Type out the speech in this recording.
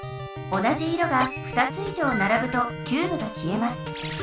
同じ色が２つ以上ならぶとキューブが消えます。